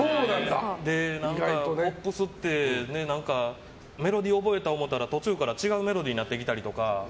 ポップスってメロディー覚えたと思ったら途中から違うメロディーになってきたりとか。